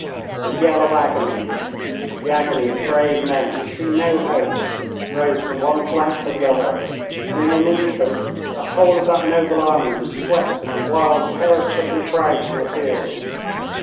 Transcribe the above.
A yell of agony, the agony of brave men who see no hope, rose from one flank to the other, and in an instant the whole of that noble army was swept in a wild, terror stricken crowd from the field.